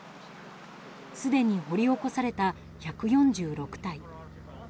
すでに掘り起こされた１４６体。